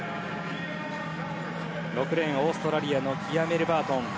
６レーン、オーストラリアのキア・メルバートン。